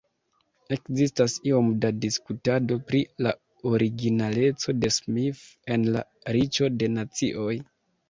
Ekzistas iom da diskutado pri la originaleco de Smith en La Riĉo de Nacioj.